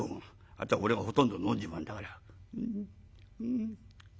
あとは俺がほとんど飲んじまうんだから」。